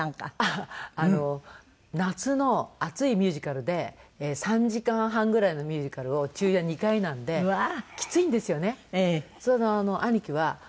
あっ夏の暑いミュージカルで３時間半ぐらいのミュージカルを昼夜２回なんできついんですよね。